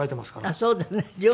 あっそうだね両方。